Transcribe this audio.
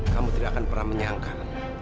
kamu tidak akan pernah menyangka